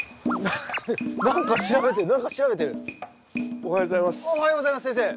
おはようございます先生。